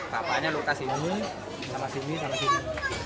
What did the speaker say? papanya luka sini sama sini sama sini